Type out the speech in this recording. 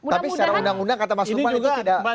tapi secara undang undang kata mas sumpan